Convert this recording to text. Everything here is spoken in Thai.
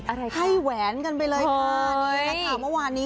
อะไรค่ะให้แหวนกันไปเลยค่ะนี่ค่ะค่ะวันนี้